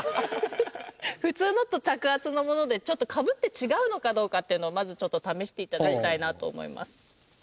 普通のと着圧のものでちょっとかぶって違うのかどうかっていうのをまずちょっと試していただきたいなと思います。